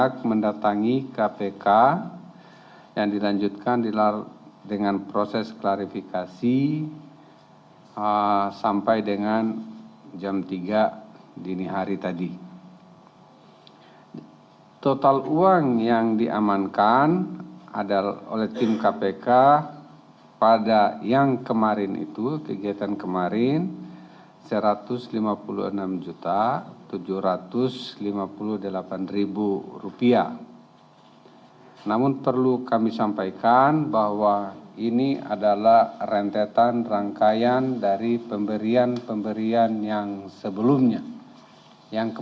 kepala kantor kemena kabupaten gresik